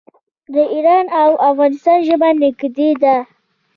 د ایران او افغانستان ژبه نږدې ده.